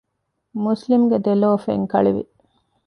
މުސްލިމްގެ ދެލޯ ފެންކަޅިވި